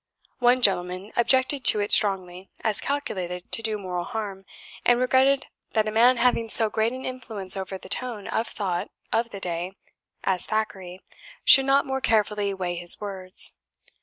One gentleman objected to it strongly, as calculated to do moral harm, and regretted that a man having so great an influence over the tone of thought of the day, as Thackeray, should not more carefully weigh his words.